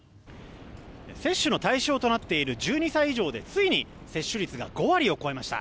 接種の対象となっている１２歳以上でついに接種率が５割を超えました。